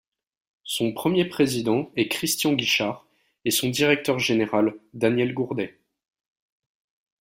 Son premier Président est Christian Guichard et son Directeur Général Daniel Gourdet.